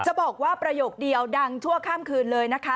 บอกว่าประโยคเดียวดังชั่วข้ามคืนเลยนะคะ